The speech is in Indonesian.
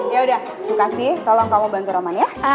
ya udah sikasi tolong kamu bantu roman ya